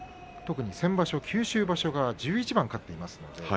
特に先場所、九州場所が１１番勝っています。